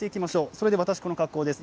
それで、私、この格好です。